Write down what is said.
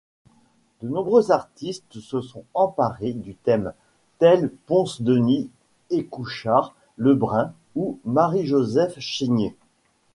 De nombreux artistes se sont emparés du thème, tels Ponce-Denis Écouchard-Lebrun ou Marie-Joseph Chénier.